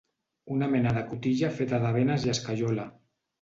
Una mena de cotilla feta de benes i escaiola